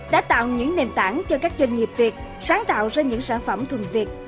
đã tạo những nền tảng cho các doanh nghiệp việt sáng tạo ra những sản phẩm thuần việt